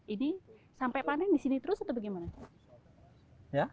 ini sampai panen di sini terus atau bagaimana